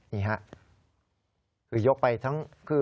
นี่ฮะคือยกไปทั้งคือ